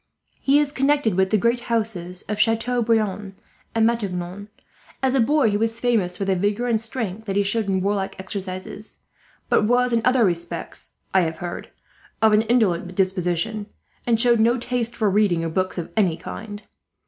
He is connected with the great houses of Chateau Briant and Matignon. As a boy he was famous for the vigour and strength that he showed in warlike exercises; but was in other respects, I have heard, of an indolent disposition, and showed no taste for reading or books of any kind.